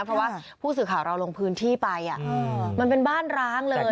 เพราะว่าผู้สื่อข่าวเราลงพื้นที่ไปมันเป็นบ้านร้างเลย